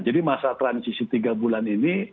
jadi masa transisi tiga bulan ini